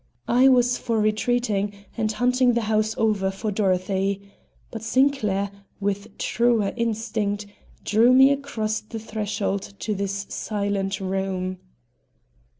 I was for retreating and hunting the house over for Dorothy. But Sinclair, with truer instinct, drew me across the threshold of this silent room.